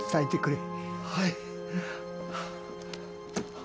はい。